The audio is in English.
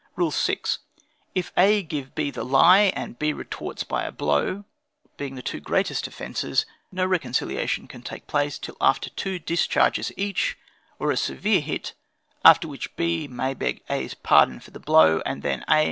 "Rule 6. If A. give B. the lie, and B. retorts by a blow, (being the two greatest offences,) no reconciliation can take place till after two discharges each, or a severe hit; after which, B. may beg A.'s pardon for the blow, and then A.